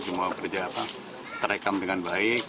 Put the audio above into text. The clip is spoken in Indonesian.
semua terekam dengan baik